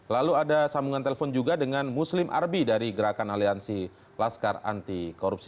lalu ada sambungan telepon juga dengan muslim arbi dari gerakan aliansi laskar anti korupsi